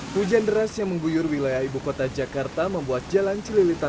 hai hujan deras yang mengguyur wilayah ibukota jakarta membuat jalan celilitan